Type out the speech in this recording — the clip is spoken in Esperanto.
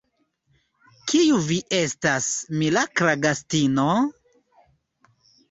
Kiu vi estas, mirakla gastino?